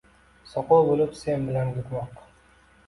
Soqov bo‘lib sen bilan yurmoq…